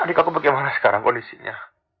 adik aku bagaimana sekarang kondisinya